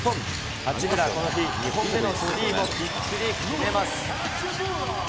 八村はこの日２本目のスリーもきっちり決めます。